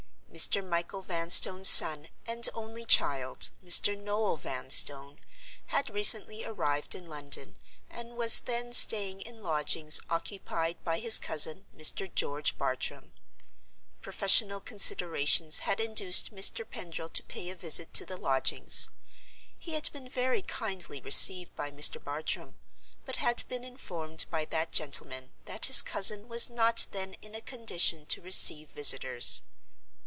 Mr. Michael Vanstone's son (and only child), Mr. Noel Vanstone, had recently arrived in London, and was then staying in lodgings occupied by his cousin, Mr. George Bartram. Professional considerations had induced Mr. Pendril to pay a visit to the lodgings. He had been very kindly received by Mr. Bartram; but had been informed by that gentleman that his cousin was not then in a condition to receive visitors.